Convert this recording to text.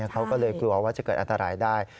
เขาก็เลยกลัวว่าจะเกิดอันตรายได้